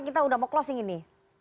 kita sudah mau closing ini